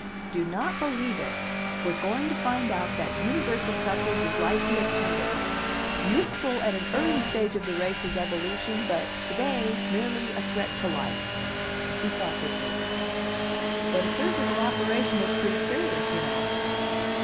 "Do not believe it! We are going to find out that universal suffrage is like the appendix useful at an early stage of the race's evolution but to day merely a threat to life." He thought this over. "But a surgical operation is pretty serious, you know."